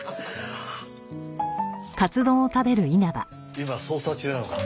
今捜査中なのか？